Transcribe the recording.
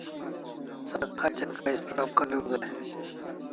Sak khacha kay isprap kariu day